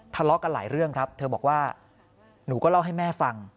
ทะเลาะกันหลายเรื่องครับเธอบอกว่าหนูก็เล่าให้แม่ฟัง